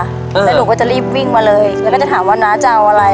แล้วหนูก็จะรีบวิ่งมาเลยแล้วก็จะถามว่าน้าจะเอาอะไร